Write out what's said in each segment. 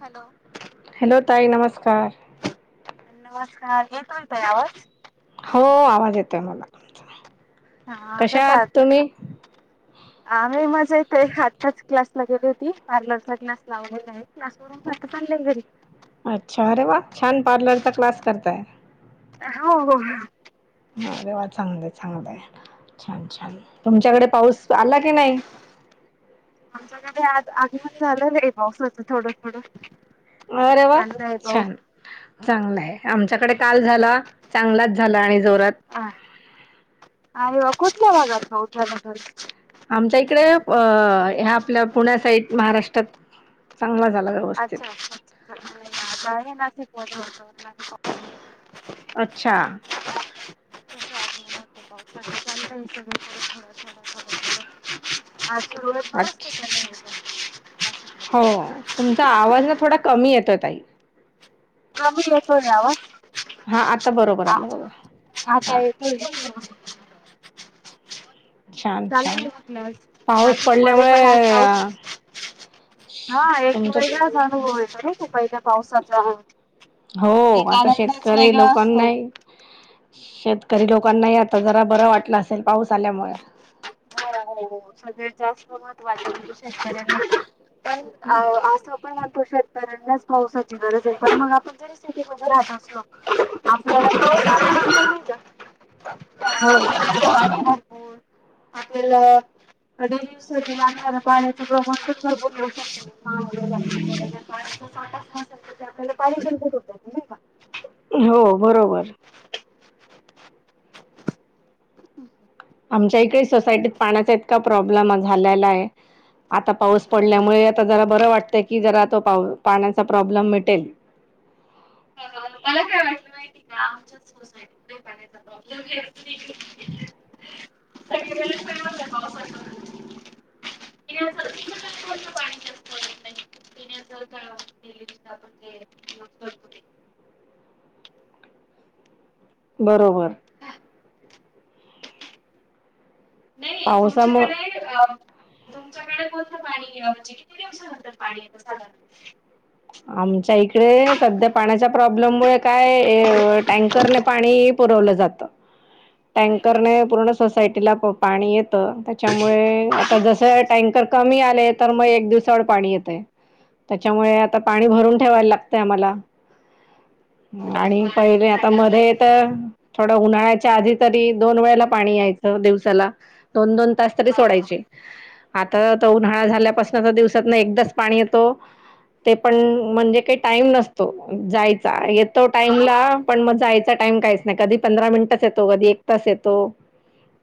Hello hello ताई नमस्कार नमस्कार येतोय ताई आवाज हो आवाज येतोय मला हा कशा आहात आम्ही मजेत हेत आत्ताच क्लास म गेली होती पार्लरचा क्लास लावलेला आहे क्लास वरून आता चालले घरी अच्छा अरे वा! छान पार्लरचा क्लास करताय. हो हो अरे वा चांगलं चांगलं हाय. छान छान तुमच्याकडे पाऊस आला की नाही? आमच्याकडे आज आगमन झालं नाही पावसाचं थोडं थोडं. अरे वा! चाललंय पाऊस. छान चांगलं आहे आमच्याकडे. काल झाला, चांगलाच झाला आणि जोरात. हा अरे वा कुठल्या भागात पाऊस झाला तर? आमच्या इकडे अ ह्या आपल्या पुण्या साईट महाराष्ट्रात चांगलाच. अच्छा अच्छा [inaudible] अच्छा [inaudible] [inaudible] सगळीकडे थोडा थोडा अच बरच अच्छा [inaudible] हो तुमचा आवाज ना थोडा कमी येतो ताई. [inaudible] आ हा आता बरोबर आला बघा आता हा येतोय का? छान चालेल छान म्हणलं पाऊस नाशिक मध्ये पण आज पडल्यामुळे पाऊस. अ हा एक तुमचं वेगळाच अनुभव येतो नाइ का पहिल्या पावसाचा हो. हो आता शेतकरी असतो. लोकांनाय. शेतकरी लोकांनाही आता जरा बरं वाटलं असेल पाऊस आल्यामुळ. [unintelligible] सगळ्यात जास्त महत्त्वाचं म्हणजे शेतकऱ्यांना. पण आ आसपण आपण शेतकऱ्यांना. त्यात पावसाची गरज आहे पण मग आपण जरी सिटीमध्ये राहत असलो आपल्याला हो [inaudible] [inaudible] आपल्याला. आडी दिवसाचे लागणाऱ्या पाण्याचे प्रमाण [inaudible] त्या पाटात मोटरचे तिथे आपल्याला पाणी [unintelligible] होते नाही का? हो बरोबर. आमच्या इकडे सोसायटीत पाण्याचा इतका प. प्रॉब्लेम झाल्याला हाय आता पाऊस पडल्यामुळे आता जरा बरं वाटतय की जरा तो पाऊ पाण्याचा प्रॉब्लेम मिटेल. मला काय वाटलं माहिती का आमच्या सोसायटीत लय पाण्याचा प्रॉब्लेम [inaudible] [inaudible] [inaudible] [inaudible] [inaudible] बरोबर नाही पावसामुळ तुमच्याकडे अ. तुमच्याकडे कोणतं पाणी अ म्हणजे किती दिवसानंतर पाणी येतं साधारण. आमच्या इकडे सध्या पाण्याच्या प्रॉब्लेम मुळे काय ऐ टँकरने पाणी इ पुरवलं जातं अरे बापरे! टँकरने पूर्ण सोसायटीला पू पाणी येत. त्याच्या मुळे आता जस टँकर कमी आ. आपल्या कडे तर मग एक दिवसाआड पाणी येत त्याच्यामुळे. आता पाणी भरून ठेवायला लागतय आम्हाला. हो आणि पाण्याच्या पहिले आता छाट्या मध्ये पाहिजे. तर थोड उन्हाळ्याच्या आधी तरी दोन वेळेला पाणी यायचं दिवसाला दोन दोन तास तरी हां, हां, सोडायची. आता तर उन्हाळा झाल्यापासून तर दिवसात ना एकदाच पाणी येतो. ते पण म्हणजे काही टाईम नसतो जायचा येतो हां, टाईमला पण मग जायचा टाइम काहीच नाही कधी पंधरा मिनिटच येतो कधी एक तास येतो ह [unintelligible]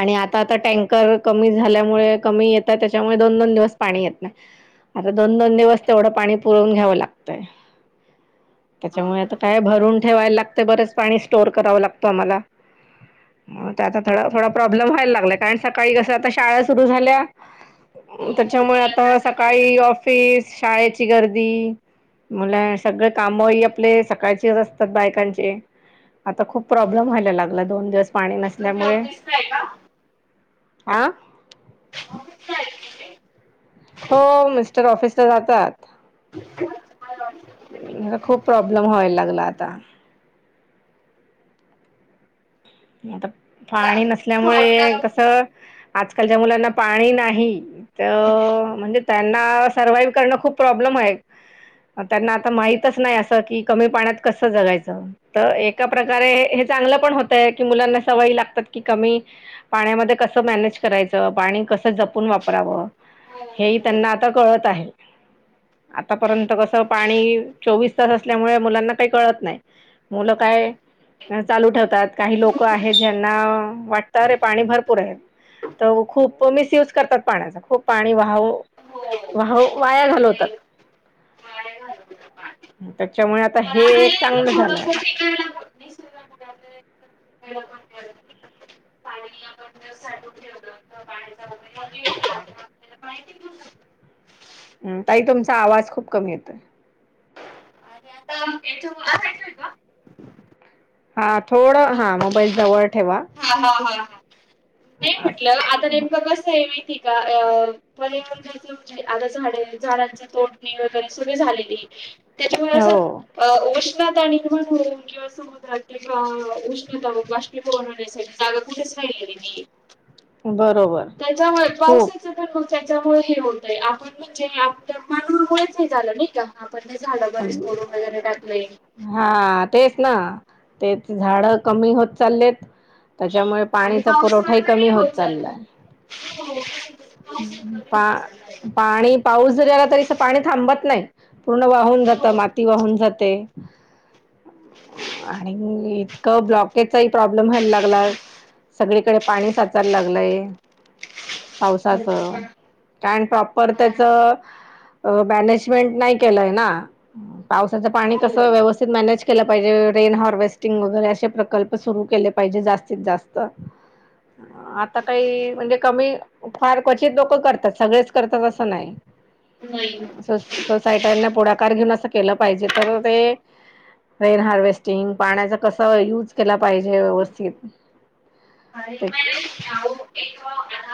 आणि आता आ टँकर कमी झाल्यामुळे कमी येतात त्याच्यामुळे दोन दोन दिवस पाणी येत नाही आता दोन दोन दिवस तेवढं पाणी पुरवून घ्यावं लागतंय त्याच्यामुळे आता काय भरून ठेवायला लागते बरेच पाणी स्टोअर करावं लागतो आम्हाला ता थोड थोडा प्रॉब्लेम व्हायला लागलाय कारण सकाळी कस आता शाळा सुरू झाल्या हो, हो. त्याच्यामुळे मुलांना आता सकाळी ऑफिस शाळेची गर्दी मुला सगळे कामही आपले सकाळचे असतात बायकांचे आता खूप प्रॉब्लेम व्हायला लागला दोन दिवस पाणी नस तुम्ही त्यामुळे ऑफिसला आहे का? आ ऑफिसला आहेत तुम्ही? हो मिस्टर ऑफिसला जातात अच्छा, मला वाटलं तुम्ही नाही करणार. खूप प्रॉब्लेम व्हायला लागला आता आता पाणी चालेल. असं वाटलं नसल्यामुळे कसं आजकालच्या मुलांना पाणी नाही तर म्हणजे त्यांना सर्वा्हाइव्ह करणं खूप प्रॉब्लेम एक [unintelligible] त्यांना आता माहितच नाही असं की कमी पाण्यात कसं जगायचं तर एका प्रकारे चांगलं पण हो की मुलांना सवय लागतात की कमी पाण्यामध्ये कसं मॅनेज करायचं पाणी कसं जपून परा हे त्यांना आता कळत आहे आतापर्यंत कस पाणी चोवीस तास असल्यामुळे मुलांना काही कळत नाही मुलं काय चालू ठेवतात काही लोक आहेत ज्यांना वाटत अरे पाणी भरपूर आहे तर खूप मिसयूज करतात पाण्याच खूप पाणी वा हो वा वाया घालवतात म्हणजे वाया घालवलं पाणी. त्याच्यामुळे आता हे एक चांगलं झालंय ह [unintelligible] [unintelligible] शकतं. तही तुमचा आवाज खूप कमी येतोय आणि आता याच्यामुळे असायचंय का? हा थोड हा मोबाईल जवळ ठेवा हा हा हा हा नाही असं म्हटलं आता नेमकं कस आहे माहिती पयटण घयच म्हणजे आता झाडे झाडांची तोडणी वगैरे सगळी झालेली त्याच्यामुळे असं हो अ उष्णता निर्माण होऊ किंवा समुद्रात उष्णता बाष्ीभवन होण्यासाठी जागा कुठेच राहिली बरोबर त्याच्यामुळे खूप पावसाच तर ख त्यामुळे हे होतय आपण म्हणजे आप पानमुळेच नाही झालं नाही का आपण ते झाडं बरेच तोडून वगैरे टाकले हा तेच ना तेच झाड कमी होत चाललेत त्याच्यामुळे आणि पाणीचा पावसाळा पुरवठाही नाही कमी होत चालला. चाललाय हो पाऊस कमी पा होत चाललाय. पाणी पाऊस झारला तरी पाणी थांबत नाही पूर्ण वाहून जात हो माती वाहून जाते आणि ब्लॉकेजचाही प्रॉब्लेम व्हायला लागला सगळीकडे पाणी साचायला लागलंय भरपूर पावसाचं कारण प्रॉपर प्रमाणात त्याच अ मॅनेजमेंट नाही केलंय ना पावसाचं पाणी हो कसं व्यवस्थित मॅनेज केलं पाहिजे रेन हार्वेस्टिंग वगैरे असे प्रकल्प सुरू केले पाहिजे जास्तीत जास्त आता काही म्हणजे कमी फार क्वचित लोक करतात सगळेच करतात असं नाही नाही स सोसायटीना पुढाकार घेऊन असं केलं पाहिजे तर ते रेन हार्वेस्टिंग पाण्याचा कस युज केला पाहिजे व्यवस्थित अरे ते मॅडम आहो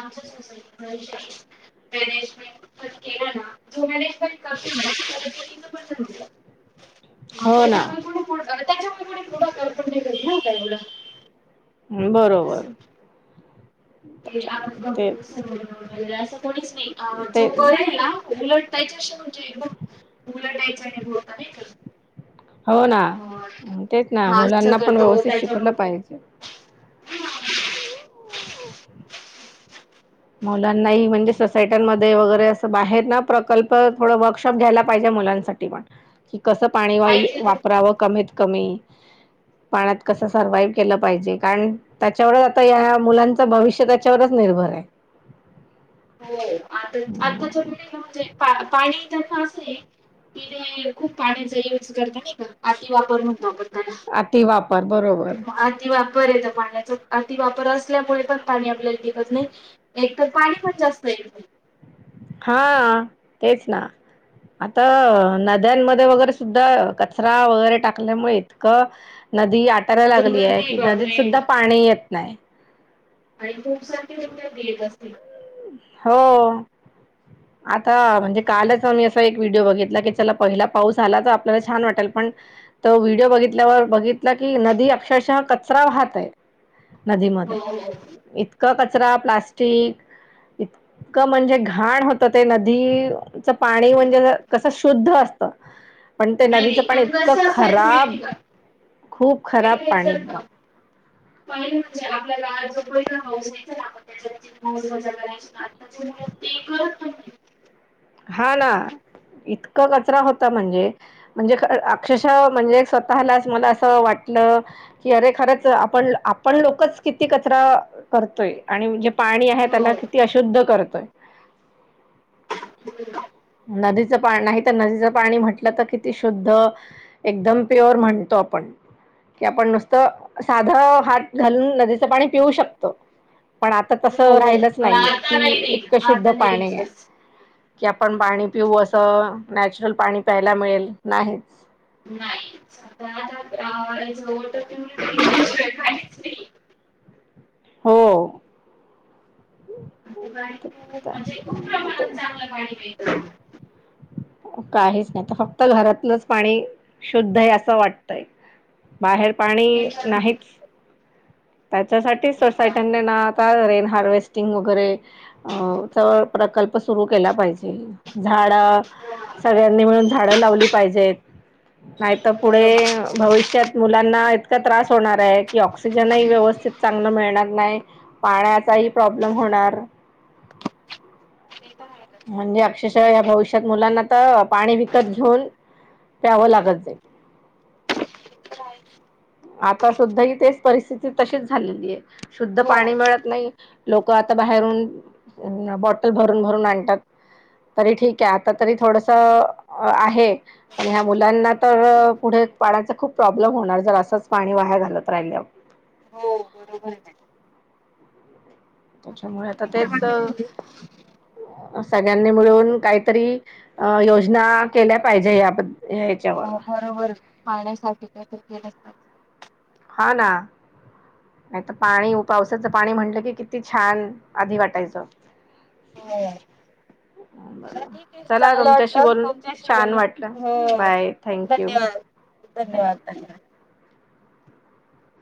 आमच्या सोसायटी इशू मॅनेजमेंट केला ना जो मॅनेजमेंट करते करतील ना ह हो ना त्याच्यावर कनी त्याच्यावरती पुढाकार करपण नाहीत नाही का एवढं हम् असं. बरोबर ते त्याच्या आपण ते असं कोणीच नाही जो ते करेल ना उलट त्याच्याशी म्हणजे बघ उलाटायच नि हो होता नाही तर हो ना अ तेच ना हा असं मुलांना पण करतो व्यवस्थित त्याच्या शिकवलं पाहिजे. ह हो [unintelligible] मुलांनाही म्हणजे सोसायट्यांमध्ये वगैरे असं बाहेर ना प्रकल्प थोडं वर्कशॉप घ्यायला पाहिजे मुलानसाठी पण कि कस पाणी वापरावं कमीत कमी ह [unintelligible] पाण्यात कस सर्वाइव केलं पाहिजे कारण त्याच्यावरच आता या मुलांच भविष्य त्याच्यावरच निर्भर आहे हो आता आताच्या पिढीला म्हणजे पाणी त्यांना असं आहे कि खूप पाण्याचा यूज करत नाही का अती वापर म्हण वापरत अति वापर बरोबर बरेत पाण्याचा अति वापर असल्यामुळे पण पाणी आपल्याला टिकत नाही एक तर पाणी पण जास्त येत नाही हा तेच ना आता नद्यांमध्ये वगैरे सुद्धा कचरा वगैरे टाकल्यामुळे इतक नदी आटायला लागली आहे दुर्गंधी की नदीत बापरे सुद्धा पाणी येत नाही आणि खूपसख त भट असत [unintelligible] हो आता म्हणजे कालच आम्ही असा एक व्हिडिओ बघितला की चला पहिला पाऊस आला तर आपल्याला छान वाटेल पण तो व्हिडिओ बघितल्यावर बघितला की नदी अक्षरशः कचरा वाहत आहे नदीमध्ये हो हो नाही इतका कचरा प्लास्टिक इतकं म्हणजे घाण होत ते नदीच पाणी म्हणजे कस शुद्ध असत पण ते नदीचं नाही पाण पण इतकं कसं असायचं खराब माहिती का खूप खराब पहिले पाणी जर एकदम पहिले म्हणजे आपल्याला आज हाऊस आहे तर चला त्याच्या वरती मौज मज्जा करायची का त्याच्या मुळे ते करत नाही हाना इतक कचरा होता म्हणजे म्हणजे अक्षशा म्हणजे स्वतःलाच मला असं वाटत की अरे खरच आपण आपण लोकच किती कचरा करतोय आणि म्हणजे पाणी आहे त्याला हो किती अशुद्ध करतोय नदी नाही तर नदीचं पाणी म्हटलं तर किती शुद्ध एकदम प्युअर म्हणतो आपण कि आपण नुसतं साधं हात घालून नदीचं पाणी पिऊ शकतो पण आता हो तसं हो राहिलच पण नाहीये आता नाही कि देईल इतकं शुद्ध आता नाही पाणी आहे येईलच. कि आपण पाणी पिवु असं नॅचरल पाणी प्यायला मिळेल नाहीच नाही स आता जवळ तुमहीयालीच र [unintelligible] [inaudible] हो बाई म्हणजे खूप प्रमाणात चांगलं पाणी मिळत काहीच नाही तर फक्त घरातलंच पाणी शुद्ध आहे असं वाटतय बाहेर पाणी ते नाहीच त्याच्यासाठी सोसायटीनी ना आता रेन हार्वेस्टिंग वगैरे अ च प्रकल्प सुरू केला पाहिजे झाड सगळ्यांनी मिळून झाडं लावली पाहिजेत नाही तर पुढे पण भविष्यात मुलांना इतका त्रास होणार की ऑक्सिजनही व्यवस्थित चांगलं मिळणार नाही पाण्याचाही प्रॉब्लेम होणार बरोबर ते तर आहेच ते म्हणजे अक्षरशः या भविष्यात मुलांना तर पाणी विकत घेऊन प्यावं लागत जाई [inaudible] आता सुद्धा ही तेच परिस्थिती तशीच झालेली आहे शुद्ध हो पाणी मिळत नाही लोक बाहेरून बॉटल भरून भरून आणतात तरी ठीक आहे आता तरी थोडस आहे पण ह्या मुलांना तर पुढे पाण्याचा खूप प्रॉब्लेम होणार जर असाच पाणी वाया घालत राहिल्या हो बरोबर आहे. आपल्या त्याच्यामुळे किती आता दिशा तेच वगैरे होईल सगळ्यांनी मिळून काहीतरी अ योजना केल्या पाहिजे याद् हो बरोबर पाण्यासाठी काय तर केलं आला नाही तर पाणी पावसाचं पाणी म्हटलं की किती छान आधी वाटायचं हो ह चला बरोवा ठीक आहे चला चांगलं तुमच्याशी वाटलं बोलून तुमच्याशी छान बोलून वाटलं हो बाय थँंक यू धन्यवाद धन्यवाद धन्यवाद